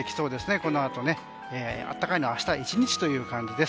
このあと、暖かいのは明日１日という感じです。